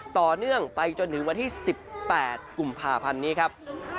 ต่อเนื่องไปจนถึงวันที่๑๘กุมภาพันธ์นี้ครับ